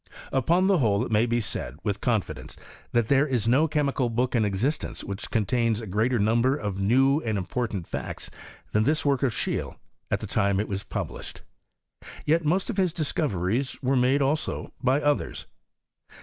Upon the nhole it may be said, with confidence, that there is no chemical book in exist ence which contains a greater number of new and important facts than this work of Scheele, at the time it was published. Yet most of his discoveries were made, also, by others.